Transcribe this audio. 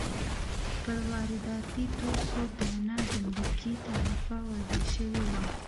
پر وارداتي توکو درنه ګمرکي تعرفه وضع شوې وه.